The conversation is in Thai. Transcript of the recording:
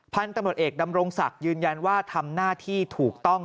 พันธุ์ตำรวจเอกดำรงศักดิ์ยืนยันว่าทำหน้าที่ถูกต้อง